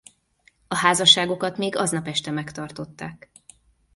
A házasságokat még aznap este megtartották.